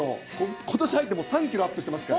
ことし入ってもう３キロアップしてますから。